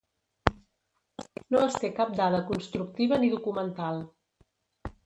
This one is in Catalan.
No es té cap dada constructiva ni documental.